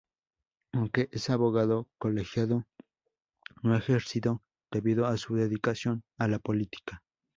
Aunque es abogado colegiado, no ha ejercido debido a su dedicación a la política.